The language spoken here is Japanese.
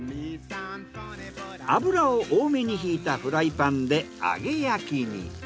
油を多めにひいたフライパンで揚げ焼きに。